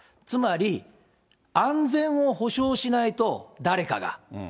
つまり、安全を保証しないと誰かが。